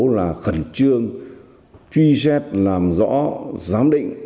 là khẩn trương truy xét làm rõ giám định